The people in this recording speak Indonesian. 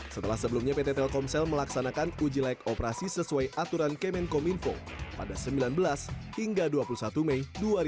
setelah sebelumnya pt telkomsel melaksanakan uji layak operasi sesuai aturan kemenkominfo pada sembilan belas hingga dua puluh satu mei dua ribu dua puluh